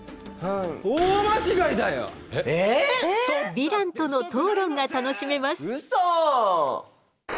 ヴィランとの討論が楽しめます。